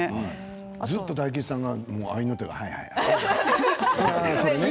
ずっと大吉さんの合いの手が入る。